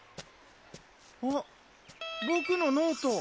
あっボクのノート。